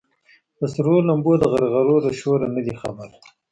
د سرو لمبو د غرغرو له شوره نه دي خبر